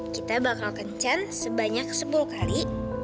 kita bakal kencan sebanyak sepuluh kali